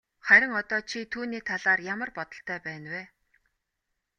Харин одоо чи түүний талаар ямар бодолтой байна вэ?